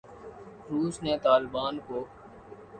روس نے طالبان کو